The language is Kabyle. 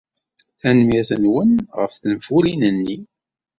Tanemmirt-nwent ɣef tenfulin-nni.